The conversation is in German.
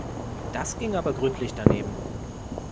Das ging aber gründlich daneben.